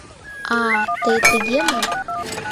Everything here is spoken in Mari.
— А-а, тый тыге мо?!